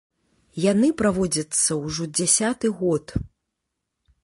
Яны праводзяцца ўжо дзясяты год.